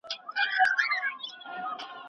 د خلګو ترمنځ اړیکه باید قوي وي.